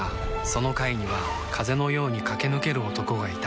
その階には風のように駆け抜ける男がいた